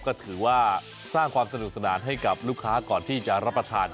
ก็ถือว่าสร้างความสนุกสนานให้กับลูกค้าก่อนที่จะรับประทาน